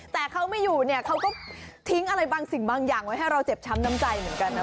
แต่เขาไม่อยู่เนี่ยเขาก็ทิ้งอะไรบางสิ่งบางอย่างไว้ให้เราเจ็บช้ำน้ำใจเหมือนกันนะ